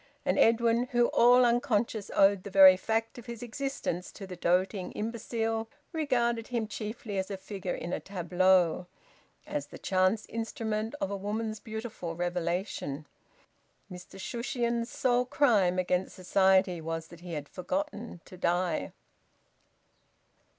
And Edwin, who, all unconscious, owed the very fact of his existence to the doting imbecile, regarded him chiefly as a figure in a tableau, as the chance instrument of a woman's beautiful revelation. Mr Shushions's sole crime against society was that he had forgotten to die.